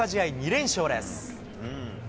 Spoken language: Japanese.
２連勝です。